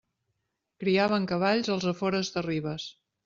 Criaven cavalls als afores de Ribes.